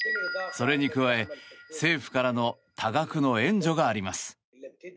それに加え、政府からの多額の援助があります。